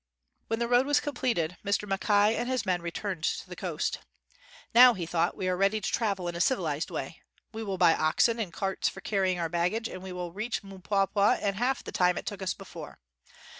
'' When the road was completed, Mr. Mackay and his men returned to the coast. "Now," he thought, "we are ready to travel in a civilized way. We will buy oxen and carts for carrying our baggage and we will reach Mpwapwa in half the time it took us before.